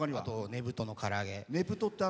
ねぶとのから揚げ。